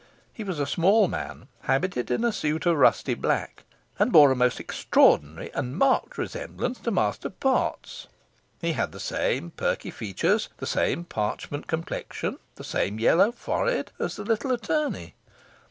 He was a small man habited in a suit of rusty black, and bore a most extraordinary and marked resemblance to Master Potts. He had the same perky features, the same parchment complexion, the same yellow forehead, as the little attorney.